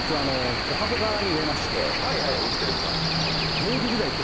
フジテレビさんの。